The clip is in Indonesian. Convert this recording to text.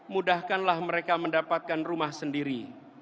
mudahkanlah mereka mendapatkan rumah sendiri